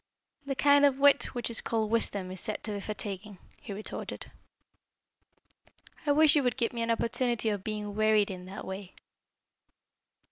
"The kind of wit which is called wisdom is said to be fatiguing," he retorted. "I wish you would give me an opportunity of being wearied in that way."